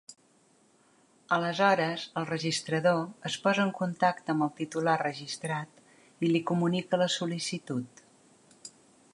Aleshores, el registrador es posa en contacte amb el titular registrat i li comunica la sol·licitud.